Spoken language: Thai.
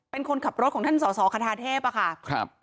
เป็นคนขับรถของท่านสอสอขทานทาเทพย์